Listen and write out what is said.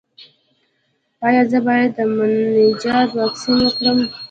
ایا زه باید د مننجیت واکسین وکړم؟